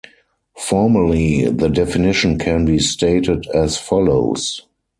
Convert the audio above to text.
Formally, the definition can be stated as follows.